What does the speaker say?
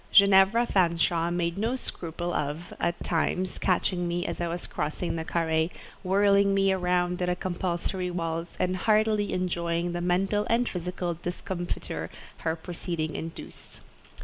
Ginevra Fanshawe made no scruple of—at times—catching me as I was crossing the carré, whirling me round in a compulsory waltz, and heartily enjoying the mental and physical discomfiture her proceeding induced.